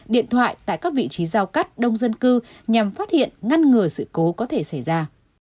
điện thoại tại các vị trí giao cắt đông dân cư nhằm phát hiện ngăn ngừa sự cố có thể xảy ra